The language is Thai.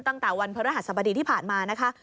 ตั้งแต่วันพระรหัสบดีที่ผ่านมานะคะ